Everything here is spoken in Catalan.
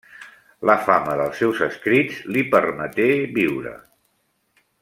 La fama dels seus escrits li permeté viure.